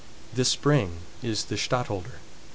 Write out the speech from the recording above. This spring is the stadtholder."